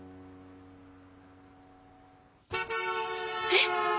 えっ！？